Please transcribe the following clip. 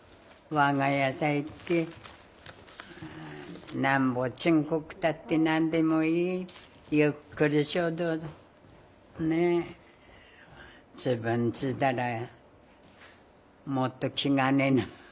我が家さ行ってなんぼちんこくたって何でもいいゆっくりしようとねえ自分ちだらもっと気兼ねなく。